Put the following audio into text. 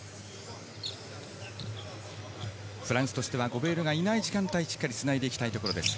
フランスしてはゴベールがいない時間帯をしっかりつなぎたいです。